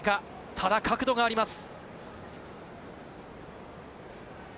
ただ角度があります。